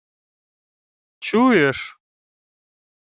— Чуєш?..